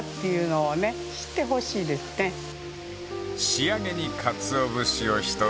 ［仕上げにかつお節をひとつかみ］